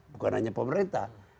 bukan hanya pemerintah